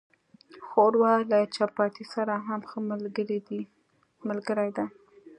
ښوروا له چپاتي سره هم ښه ملګری ده.